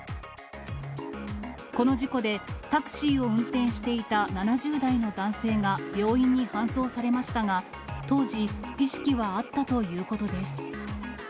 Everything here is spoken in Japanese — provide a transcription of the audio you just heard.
この事故で、タクシーを運転していた７０代の男性が病院に搬送されましたが、当時、意識はあったということです。